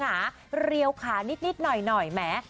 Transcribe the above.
มีเหลวขานิดหน่อยหน่อยแหม